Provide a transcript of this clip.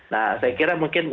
nah saya kira mungkin